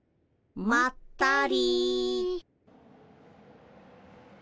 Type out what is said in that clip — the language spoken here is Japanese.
まったり。